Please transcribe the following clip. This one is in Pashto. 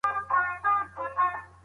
په اړه خبرې نه کېږي.